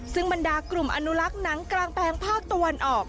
ซึ่งบรรดากลุ่มอนุลักษ์หนังกลางแปลงภาคตะวันออก